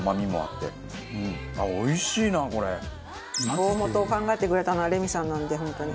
大本を考えてくれたのはレミさんなんで本当に。